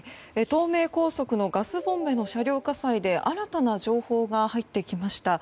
東名高速のガスボンベの車両火災で新たな情報が入ってきました。